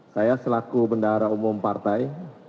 saya selaku bendahara umum partai